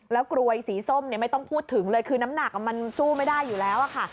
แล้วกรวยสีส้มไม่ต้องพูดถึงเลยคือน้ำหนักมันสู้ไม่ได้อยู่แล้วค่ะ